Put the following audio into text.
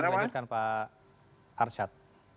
silahkan dilakukan pak arsyad